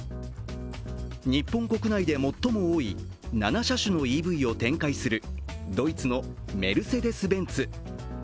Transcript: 日本国内で最も多い７車種のＥＶを展開するドイツのメルセデス・ベンツ。